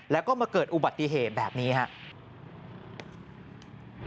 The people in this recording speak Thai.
แล้วก็มาเกิดอุบัติเหตุแบบนี้ครับ